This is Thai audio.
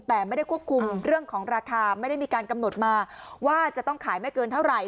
แต่ไม่ได้ควบคุมเรื่องของราคาไม่ได้มีการกำหนดมาว่าจะต้องขายไม่เกินเท่าไหร่